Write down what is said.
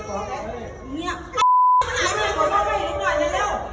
ก็เลยจัดปัญหาลูกเขาไปดิอ้าว